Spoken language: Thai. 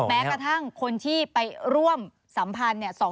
แม้กระทั่งคนที่ไปร่วมสัมพันธ์เนี่ย๒๓ครั้ง